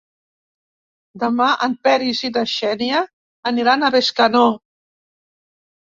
Demà en Peris i na Xènia aniran a Bescanó.